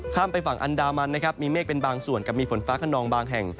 ไปฝั่งอันดามันนะครับมีเมฆเป็นบางส่วนกับมีฝนฟ้าขนองบางแห่ง